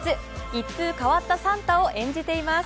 一風変わったサンタを演じています。